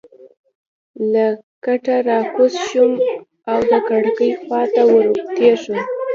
له کټه راکوز شوم او د کړکۍ خوا ته ورتېر شوم.